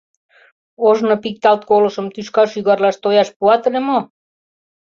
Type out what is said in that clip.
Ожно пикталт колышым тӱшка шӱгарлаш тояш пуат ыле мо?